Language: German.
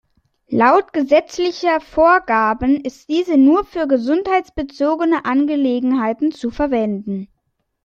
Laut gesetzlicher Vorgaben ist diese nur für gesundheitsbezogene Angelegenheiten zu verwenden.